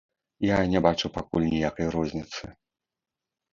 Я не бачу, пакуль ніякай розніцы!